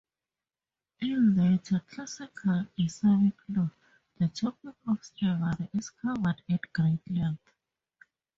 In later classical Islamic law, the topic of slavery is covered at great length.